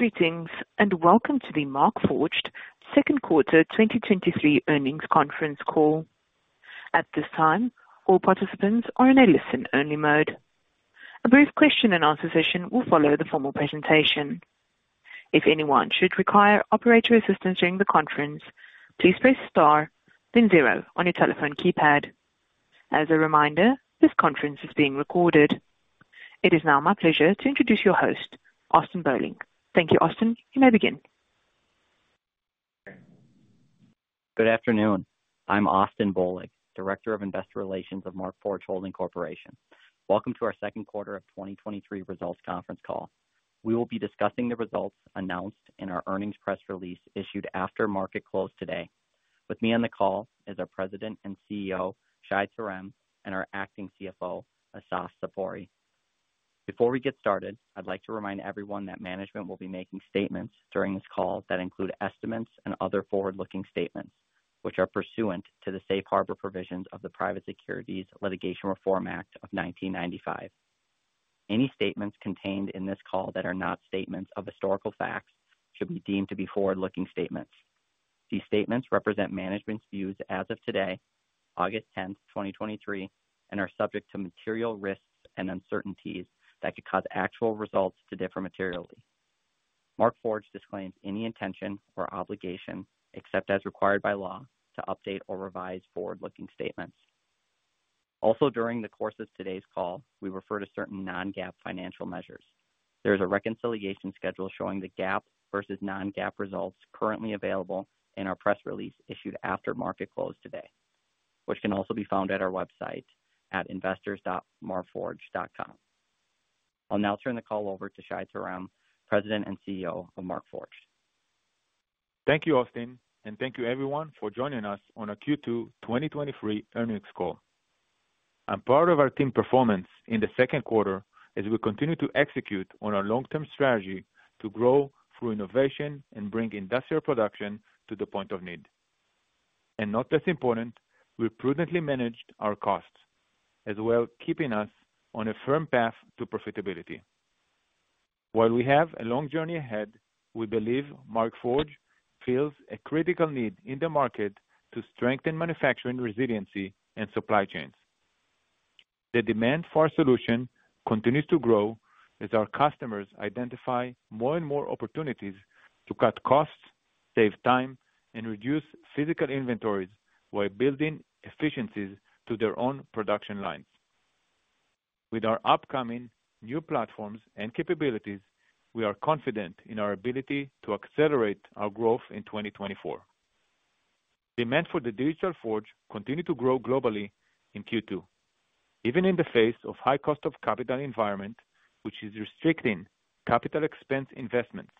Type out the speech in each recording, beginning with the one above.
Greetings, and welcome to the Markforged second quarter 2023 earnings conference call. At this time, all participants are in a listen-only mode. A brief question and answer session will follow the formal presentation. If anyone should require operator assistance during the conference, please press star then zero on your telephone keypad. As a reminder, this conference is being recorded. It is now my pleasure to introduce your host, Austin Bohlig. Thank you, Austin. You may begin. Good afternoon. I'm Austin Bohlig, Director of Investor Relations of Markforged Holding Corporation. Welcome to our second quarter of 2023 results conference call. We will be discussing the results announced in our earnings press release issued after market close today. With me on the call is our President and CEO, Shai Terem, and our Acting CFO, Assaf Zipori. Before we get started, I'd like to remind everyone that management will be making statements during this call that include estimates and other forward-looking statements, which are pursuant to the Safe Harbor Provisions of the Private Securities Litigation Reform Act of 1995. Any statements contained in this call that are not statements of historical facts should be deemed to be forward-looking statements. These statements represent management's views as of today, August 10, 2023, and are subject to material risks and uncertainties that could cause actual results to differ materially. Markforged disclaims any intention or obligation, except as required by law, to update or revise forward-looking statements. During the course of today's call, we refer to certain non-GAAP financial measures. There's a reconciliation schedule showing the GAAP versus non-GAAP results currently available in our press release issued after market close today, which can also be found at our website at investors.markforged.com. I'll now turn the call over to Shai Terem, President and CEO of Markforged. Thank you, Austin, and thank you everyone for joining us on our Q2 2023 earnings call. I'm proud of our team performance in the second quarter as we continue to execute on our long-term strategy to grow through innovation and bring industrial production to the point of need. Not less important, we prudently managed our costs, as well, keeping us on a firm path to profitability. While we have a long journey ahead, we believe Markforged fills a critical need in the market to strengthen manufacturing, resiliency, and supply chains. The demand for our solution continues to grow as our customers identify more and more opportunities to cut costs, save time, and reduce physical inventories while building efficiencies to their own production lines. With our upcoming new platforms and capabilities, we are confident in our ability to accelerate our growth in 2024. Demand for the Digital Forge continued to grow globally in Q2, even in the face of high cost of capital environment, which is restricting capital expense investments.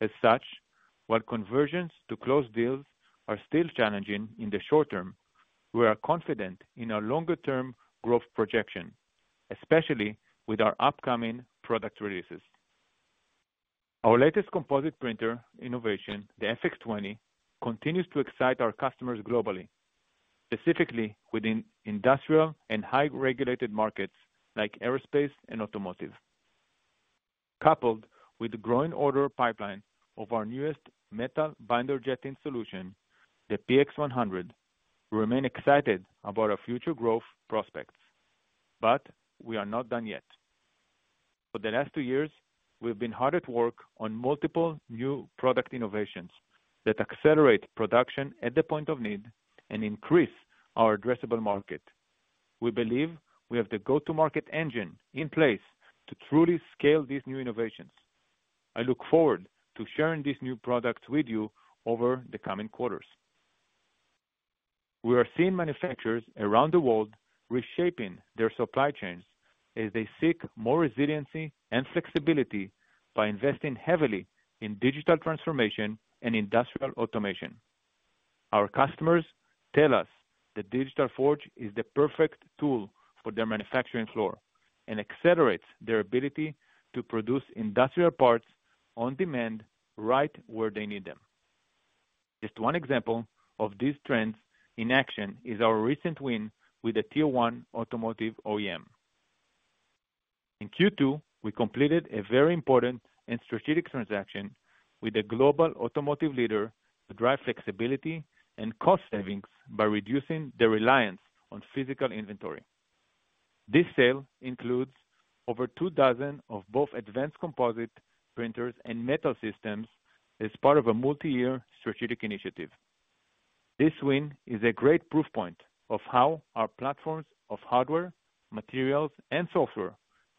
As such, while conversions to close deals are still challenging in the short term, we are confident in our longer-term growth projection, especially with our upcoming product releases. Our latest composite printer innovation, the FX20, continues to excite our customers globally, specifically within industrial and high regulated markets like aerospace and automotive. Coupled with the growing order pipeline of our newest metal binder jetting solution, the PX100, we remain excited about our future growth prospects. We are not done yet. For the last two years, we've been hard at work on multiple new product innovations that accelerate production at the point of need and increase our addressable market. We believe we have the go-to-market engine in place to truly scale these new innovations. I look forward to sharing these new products with you over the coming quarters. We are seeing manufacturers around the world reshaping their supply chains as they seek more resiliency and flexibility by investing heavily in digital transformation and industrial automation. Our customers tell us the Digital Forge is the perfect tool for their manufacturing floor and accelerates their ability to produce industrial parts on demand, right where they need them. Just one example of these trends in action is our recent win with a Tier 1 automotive OEM. In Q2, we completed a very important and strategic transaction with a global automotive leader to drive flexibility and cost savings by reducing the reliance on physical inventory. This sale includes over 2 dozen of both advanced composite printers and metal systems as part of a multi-year strategic initiative. This win is a great proof point of how our platforms of hardware, materials, and software,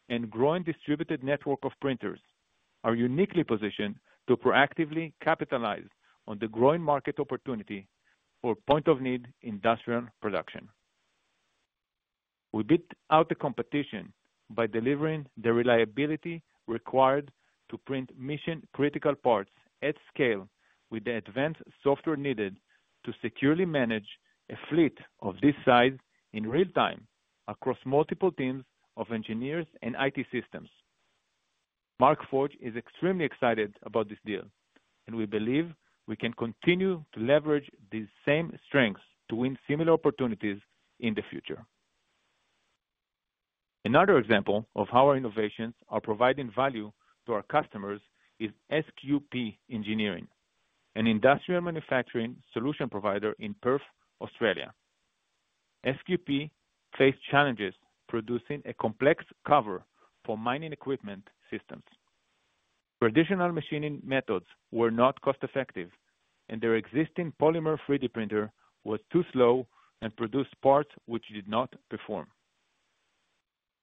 and growing distributed network of printers are uniquely positioned to proactively capitalize on the growing market opportunity for point of need industrial production. We beat out the competition by delivering the reliability required to print mission-critical parts at scale, with the advanced software needed to securely manage a fleet of this size in real time, across multiple teams of engineers and IT systems. Markforged is extremely excited about this deal. We believe we can continue to leverage these same strengths to win similar opportunities in the future. Another example of how our innovations are providing value to our customers is SQP Engineering, an industrial manufacturing solution provider in Perth, Australia. SQP faced challenges producing a complex cover for mining equipment systems. Traditional machining methods were not cost-effective, and their existing polymer 3D printer was too slow and produced parts which did not perform.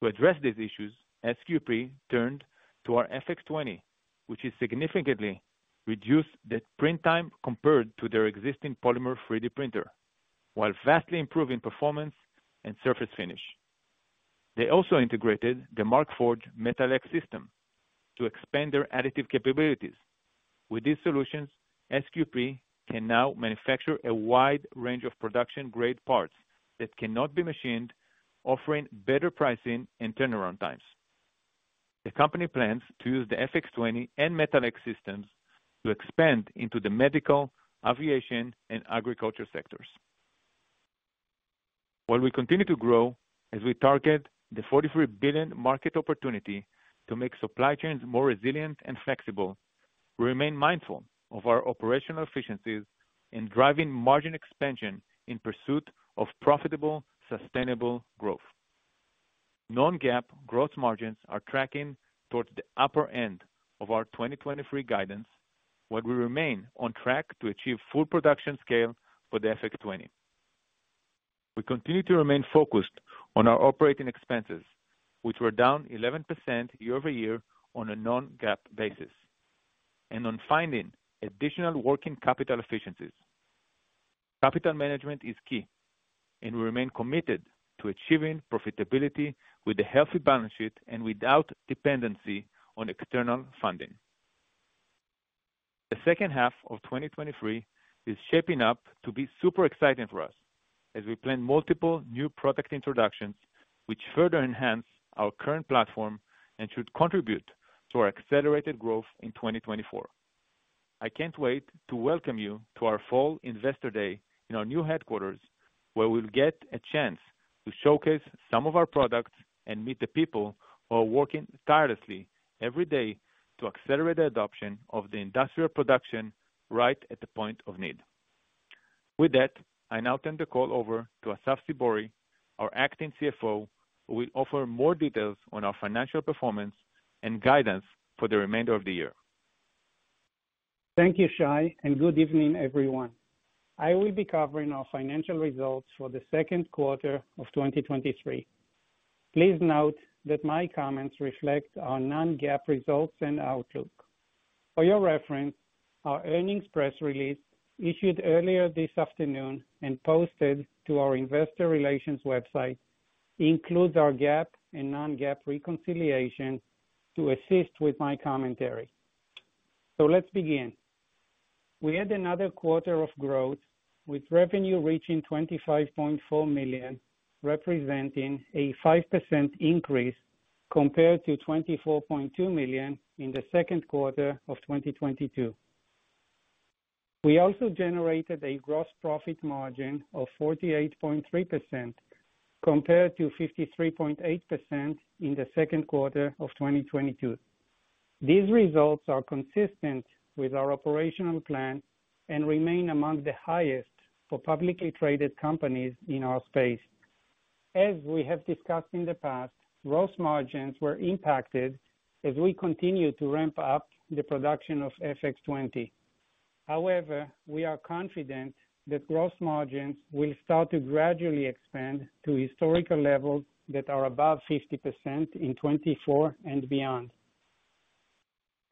To address these issues, SQP turned to our FX20, which has significantly reduced the print time compared to their existing polymer 3D printer, while vastly improving performance and surface finish. They also integrated the Markforged Metal X system to expand their additive capabilities. With these solutions, SQP can now manufacture a wide range of production-grade parts that cannot be machined, offering better pricing and turnaround times. The company plans to use the FX20 and Metal X systems to expand into the medical, aviation, and agriculture sectors. While we continue to grow as we target the $43 billion market opportunity to make supply chains more resilient and flexible, we remain mindful of our operational efficiencies in driving margin expansion in pursuit of profitable, sustainable growth. Non-GAAP growth margins are tracking towards the upper end of our 2023 guidance, while we remain on track to achieve full production scale for the FX20. We continue to remain focused on our operating expenses, which were down 11% year-over-year on a non-GAAP basis, and on finding additional working capital efficiencies. Capital management is key, and we remain committed to achieving profitability with a healthy balance sheet and without dependency on external funding. The second half of 2023 is shaping up to be super exciting for us as we plan multiple new product introductions, which further enhance our current platform and should contribute to our accelerated growth in 2024. I can't wait to welcome you to our fall investor day in our new headquarters, where we'll get a chance to showcase some of our products and meet the people who are working tirelessly every day to accelerate the adoption of the industrial production right at the point of need. With that, I now turn the call over to Assaf Zipori, our Acting CFO, who will offer more details on our financial performance and guidance for the remainder of the year. Thank you, Shai, and good evening, everyone. I will be covering our financial results for the second quarter of 2023. Please note that my comments reflect our non-GAAP results and outlook. For your reference, our earnings press release, issued earlier this afternoon and posted to our investor relations website, includes our GAAP and non-GAAP reconciliation to assist with my commentary. Let's begin. We had another quarter of growth, with revenue reaching $25.4 million, representing a 5% increase compared to $24.2 million in the second quarter of 2022. We also generated a gross profit margin of 48.3%, compared to 53.8% in the second quarter of 2022. These results are consistent with our operational plan and remain among the highest for publicly traded companies in our space. As we have discussed in the past, gross margins were impacted as we continued to ramp up the production of FX20. However, we are confident that gross margins will start to gradually expand to historical levels that are above 50% in 2024 and beyond.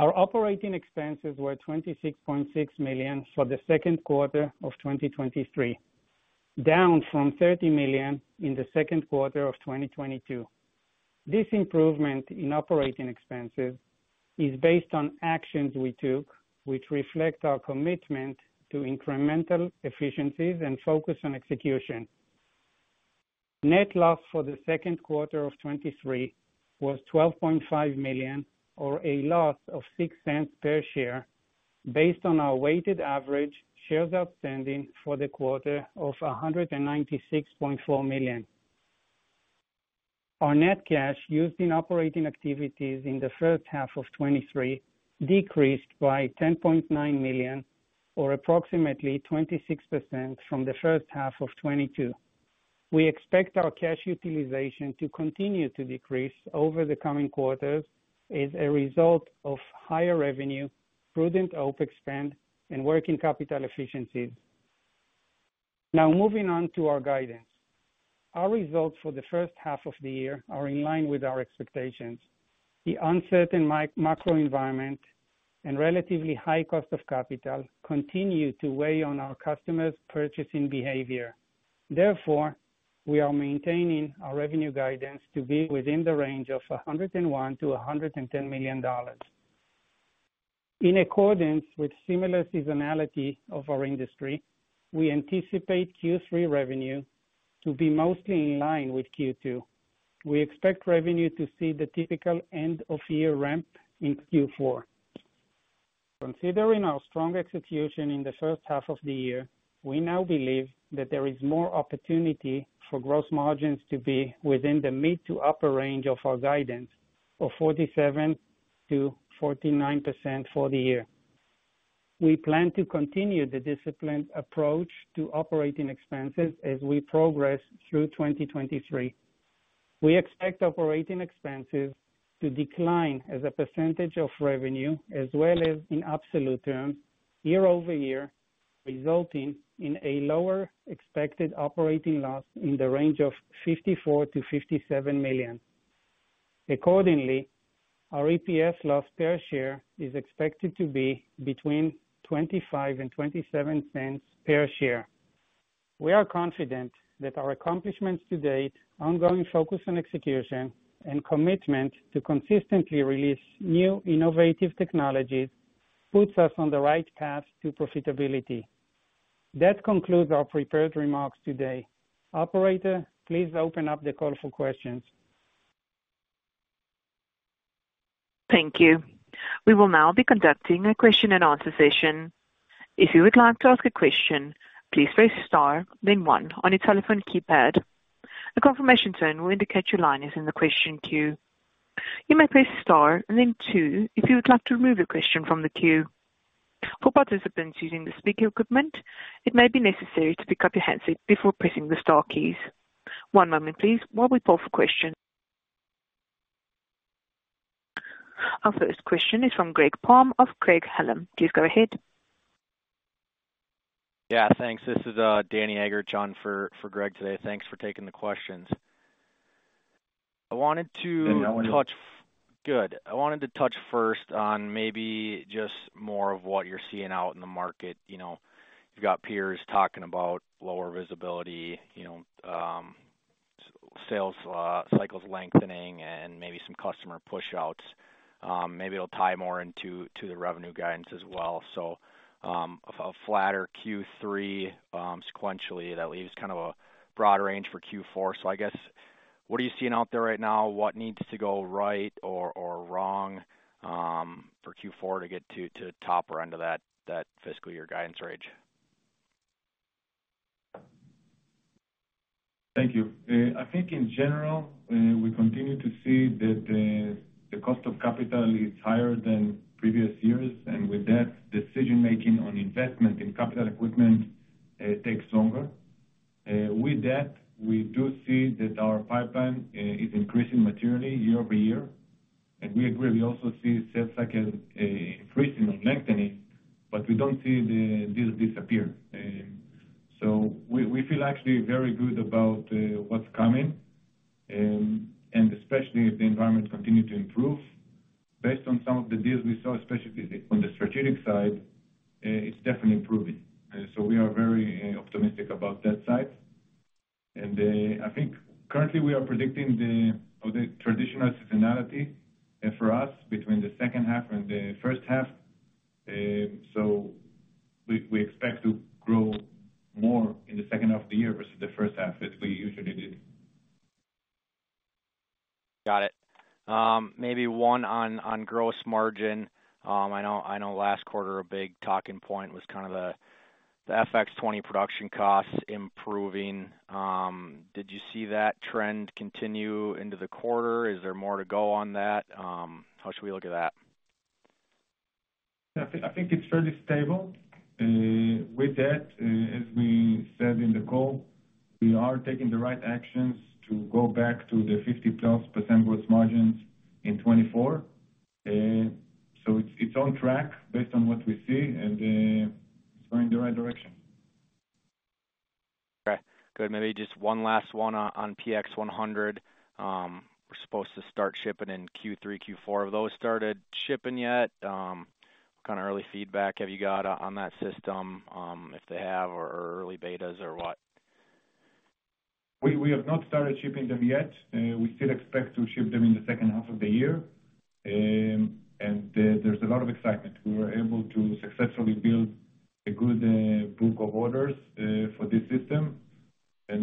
Our operating expenses were $26.6 million for the second quarter of 2023, down from $30 million in the second quarter of 2022. This improvement in operating expenses is based on actions we took, which reflect our commitment to incremental efficiencies and focus on execution. Net loss for the second quarter of 2023 was $12.5 million, or a loss of $0.06 per share, based on our weighted average shares outstanding for the quarter of 196.4 million. Our net cash used in operating activities in the first half of 2023 decreased by $10.9 million, or approximately 26% from the first half of 2022. We expect our cash utilization to continue to decrease over the coming quarters as a result of higher revenue, prudent OpEx spend, and working capital efficiencies. Now, moving on to our guidance. Our results for the first half of the year are in line with our expectations. The uncertain macro environment and relatively high cost of capital continue to weigh on our customers' purchasing behavior. Therefore, we are maintaining our revenue guidance to be within the range of $101 million-$110 million. In accordance with similar seasonality of our industry, we anticipate Q3 revenue to be mostly in line with Q2. We expect revenue to see the typical end-of-year ramp in Q4. Considering our strong execution in the first half of the year, we now believe that there is more opportunity for gross margins to be within the mid-to-upper range of our guidance of 47%-49% for the year. We plan to continue the disciplined approach to operating expenses as we progress through 2023. We expect operating expenses to decline as a percentage of revenue, as well as in absolute terms, year-over-year, resulting in a lower expected operating loss in the range of $54 million-$57 million. Accordingly, our EPS loss per share is expected to be between $0.25 and $0.27 per share. We are confident that our accomplishments to date, ongoing focus on execution, and commitment to consistently release new innovative technologies, puts us on the right path to profitability. That concludes our prepared remarks today. Operator, please open up the call for questions. Thank you. We will now be conducting a question-and-answer session. If you would like to ask a question, please press star then one on your telephone keypad. A confirmation tone will indicate your line is in the question queue. You may press star and then two if you would like to remove your question from the queue. For participants using the speaker equipment, it may be necessary to pick up your handset before pressing the star keys. One moment please while we poll for questions. Our first question is from Greg Palm of Craig-Hallum. Please go ahead. Yeah, thanks. This is Danny Eggerichs, joining for Greg today. Thanks for taking the questions. I wanted to touch- aHow are you? Good. I wanted to touch first on maybe just more of what you're seeing out in the market. You know, you've got peers talking about lower visibility, you know, sales cycles lengthening and maybe some customer pushouts. Maybe it'll tie more into, to the revenue guidance as well. A flatter Q3 sequentially, that leaves kind of a broad range for Q4. I guess, what are you seeing out there right now? What needs to go right or Thank you. I think in general, we continue to see that the, the cost of capital is higher than previous years, and with that, decision-making on investment in capital equipment, takes longer. With that, we do see that our pipeline, is increasing materially year-over-year. We agree, we also see sales cycle, increasing or lengthening, but we don't see the deals disappear. We, we feel actually very good about, what's coming, and especially if the environment continue to improve. Based on some of the deals we saw, especially on the strategic side, it's definitely improving. We are very, optimistic about that side. I think currently we are predicting the, of the traditional seasonality, for us between the second half and the first half. We expect to grow more in the second half of the year versus the first half, as we usually do. Got it. Maybe one on, on gross margin. I know, I know last quarter a big talking point was kind of the, the FX20 production costs improving. Did you see that trend continue into the quarter? Is there more to go on that? How should we look at that? I think, I think it's fairly stable. With that, as we said in the call, we are taking the right actions to go back to the 50%+ gross margins in 2024. It's, it's on track based on what we see, and it's going in the right direction. Okay, good. Maybe just one last one on, on PX100. We're supposed to start shipping in Q3, Q4. Have those started shipping yet? What kind of early feedback have you got on that system, if they have, or early betas or what? We have not started shipping them yet. We still expect to ship them in the second half of the year. There's a lot of excitement. We were able to successfully build a good book of orders for this system. As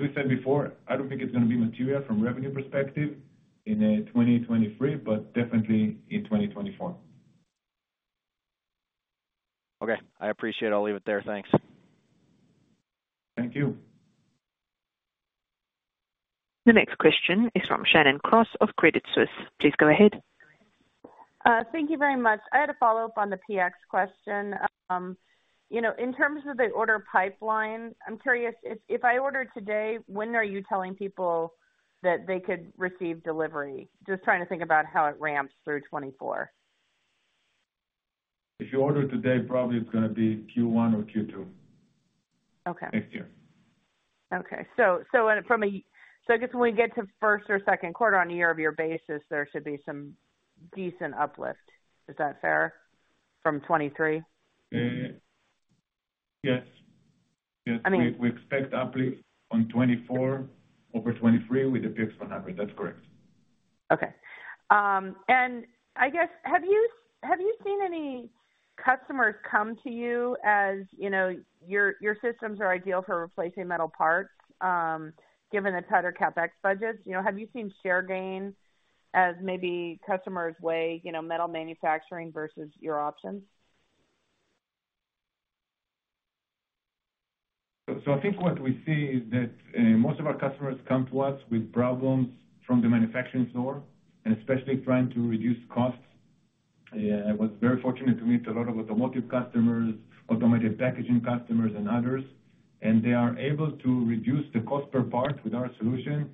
we said before, I don't think it's gonna be material from revenue perspective in 2023, but definitely in 2024. Okay, I appreciate. I'll leave it there. Thanks. Thank you. The next question is from Shannon Cross of Credit Suisse. Please go ahead. thank you very much. I had a follow-up on the PX question. you know, in terms of the order pipeline, I'm curious if, if I order today, when are you telling people that they could receive delivery? Just trying to think about how it ramps through 2024. If you order today, probably it's gonna be Q1 or Q2. Okay. Next year. Okay. So so from a So I guess when we get to first or second quarter on a year-over-year basis, there should be some decent uplift. Is that fair, from 2023? Yes. Yes. I mean- We, we expect uplift on 2024 over 2023 with the PX100. That's correct. Okay. I guess, have you, have you seen any customers come to you as, you know, your, your systems are ideal for replacing metal parts, given the tighter CapEx budgets? You know, have you seen share gains as maybe customers weigh, you know, metal manufacturing versus your options? I think what we see is that, most of our customers come to us with problems from the manufacturing floor, and especially trying to reduce costs. I was very fortunate to meet a lot of automotive customers, automotive packaging customers, and others, and they are able to reduce the cost per part with our solution,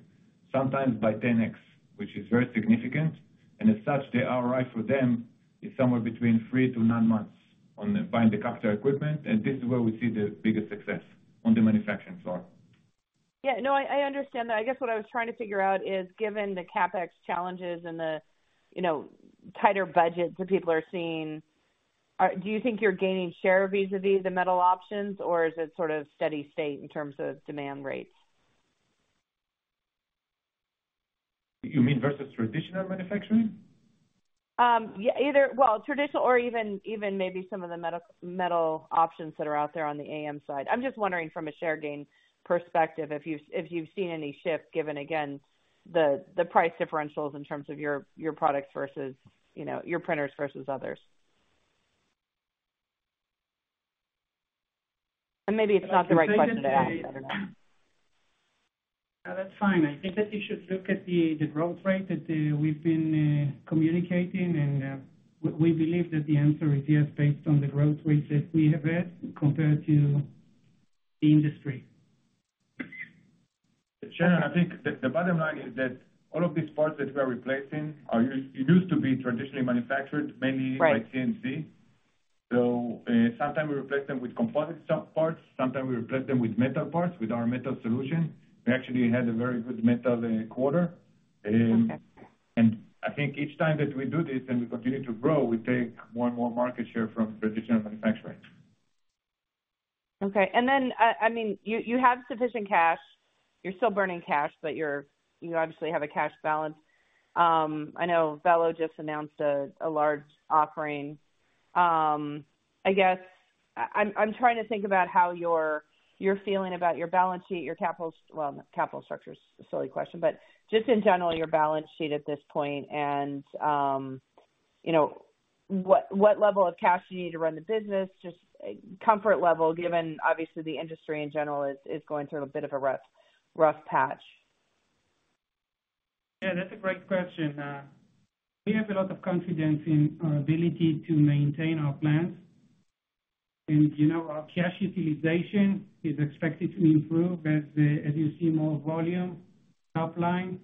sometimes by 10x, which is very significant, and as such, the ROI for them is somewhere between 3-9 months on buying the equipment. This is where we see the biggest success, on the manufacturing floor. Yeah. No, I, I understand that. I guess what I was trying to figure out is, given the CapEx challenges and the, you know, tighter budgets that people are seeing, are... Do you think you're gaining share vis-a-vis the metal options, or is it sort of steady state in terms of demand rates? You mean versus traditional manufacturing? Yeah, either, well, traditional or even, even maybe some of the metal options that are out there on the AM side. I'm just wondering from a share gain perspective, if you've, if you've seen any shifts, given again, the, the price differentials in terms of your, your products versus, you know, your printers versus others. Maybe it's not the right question to ask. I don't know. No, that's fine. I think that you should look at the, the growth rate that we've been communicating, and we believe that the answer is yes, based on the growth rates that we have had compared to the industry. Shannon, I think the, the bottom line is that all of these parts that we are replacing are used to be traditionally manufactured, mainly. Right -by CNC. Sometimes we replace them with composite parts, sometimes we replace them with metal parts, with our metal solution. We actually had a very good metal quarter. Okay. I think each time that we do this and we continue to grow, we take more and more market share from traditional manufacturing. Okay. Then, I mean, you, you have sufficient cash. You're still burning cash, but you obviously have a cash balance. I know Velo3D just announced a, a large offering. I guess I'm trying to think about how you're, you're feeling about your balance sheet, your capital... Well, capital structure is a silly question, but just in general, your balance sheet at this point, and, you know, what, what level of cash do you need to run the business? Just comfort level, given obviously, the industry in general is, is going through a bit of a rough, rough patch. Yeah, that's a great question. We have a lot of confidence in our ability to maintain our plans. You know, our cash utilization is expected to improve as you see more volume, top line,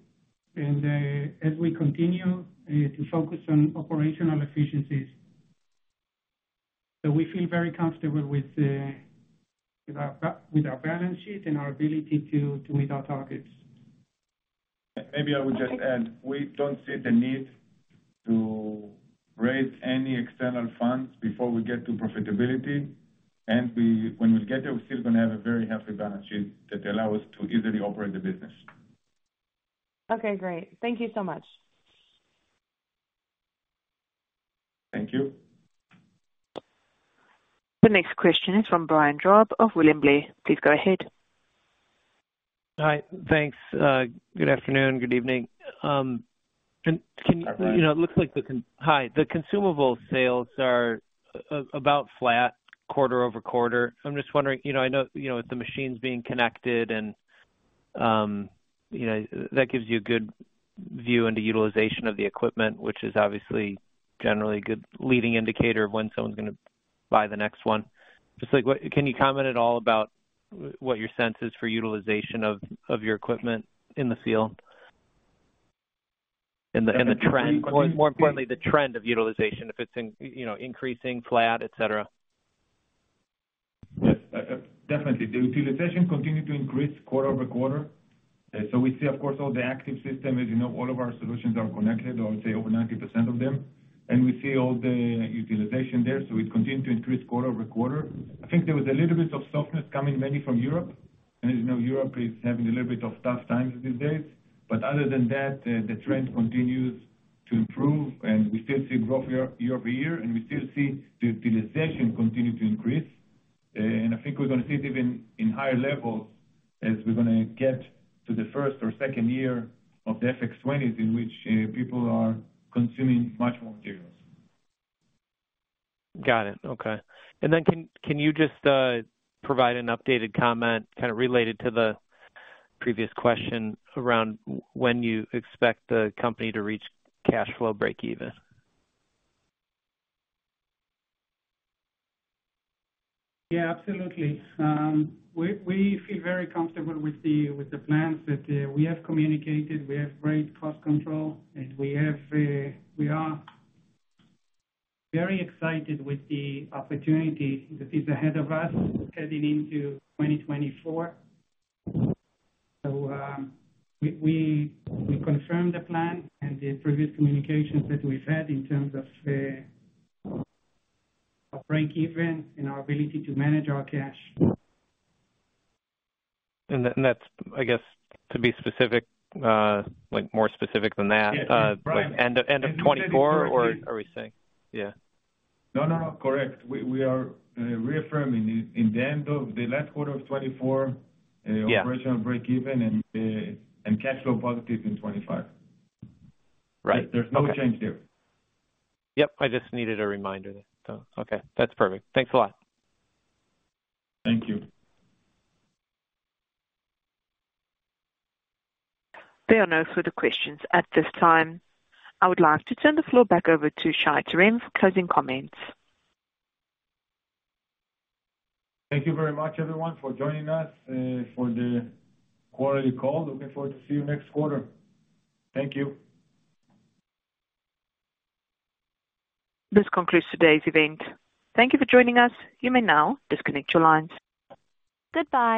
and as we continue to focus on operational efficiencies. We feel very comfortable with our balance sheet and our ability to meet our targets. Maybe I would just add, we don't see the need to raise any external funds before we get to profitability. We, when we get there, we're still gonna have a very healthy balance sheet that allow us to easily operate the business. Okay, great. Thank you so much. Thank you. The next question is from Brian Drab of William Blair. Please go ahead. Hi, thanks. good afternoon, good evening. can you- Hi, Brian. You know, it looks like the... Hi. The consumable sales are about flat quarter-over-quarter. I'm just wondering, you know, I know, you know, with the machines being connected and, you know, that gives you a good view into utilization of the equipment, which is obviously generally a good leading indicator of when someone's gonna buy the next one. Just like, what, can you comment at all about what your sense is for utilization of your equipment in the field? And the trend, more importantly, the trend of utilization, if it's in, you know, increasing, flat, et cetera. Yes, definitely. The utilization continued to increase quarter-over-quarter. We see, of course, all the active system, as you know, all of our solutions are connected, or say, over 90% of them, and we see all the utilization there, so it continued to increase quarter-over-quarter. I think there was a little bit of softness coming mainly from Europe. As you know, Europe is having a little bit of tough times these days. Other than that, the, the trend continues to improve and we still see growth year-over-year, and we still see the utilization continue to increase. I think we're gonna see it even in higher levels as we're gonna get to the first or second year of the FX20s, in which people are consuming much more materials. Got it. Okay. Then, can you just provide an updated comment, kind of, related to the previous question, around when you expect the company to reach cash flow breakeven? Yeah, absolutely. We, we feel very comfortable with the plans that we have communicated. We have great cost control, and we have, we are very excited with the opportunity that is ahead of us heading into 2024. We, we, we confirm the plan and the previous communications that we've had in terms of break even and our ability to manage our cash. That, and that's, I guess, to be specific, like more specific than that. Yeah. Brian. end of, end of 2024, or are we saying? Yeah. No, no, no. Correct. We, we are reaffirming in the end of the last quarter of 2024- Yeah. - operational breakeven and cash flow positive in 2025. Right. There's no change there. Yep. I just needed a reminder, so okay. That's perfect. Thanks a lot. Thank you. There are no further questions at this time. I would like to turn the floor back over to Shai Terem for closing comments. Thank you very much, everyone, for joining us, for the quarterly call. Looking forward to see you next quarter. Thank you. This concludes today's event. Thank you for joining us. You may now disconnect your lines. Goodbye.